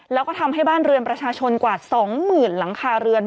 แล้วก็ทำให้บ้านเรือนประชาชนกว่า๒๐๐๐หลังคาเรือน